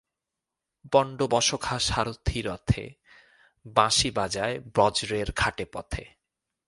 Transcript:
পাণ্ডবসখা সারথি রথে, বাঁশী বাজায় ব্রজের ঘাটে পথে।